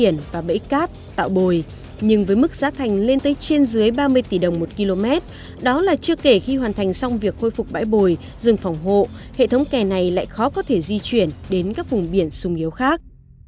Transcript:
nhưng với mức giá thành lên tới trên dưới ba mươi tỷ đồng một km đó là chưa kể khi hoàn thành xong việc khôi phục bãi bồi rừng phòng hộ hệ thống kè này lại khó có thể di chuyển đến các vùng biển sung yếu khác